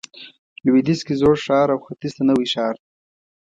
لویدیځ کې زوړ ښار او ختیځ ته نوی ښار دی.